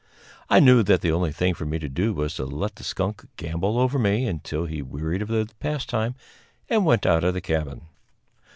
I knew that the only thing for me to do was to let the skunk gambol over me until he wearied of the pastime and went out of the cabin.